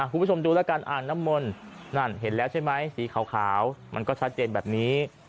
คุณผู้ชมดูแล้วกันอ่างน้ำมนต์นั่นเห็นแล้วใช่ไหมสีขาวมันก็ชัดเจนแบบนี้